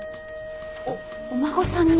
お孫さんに？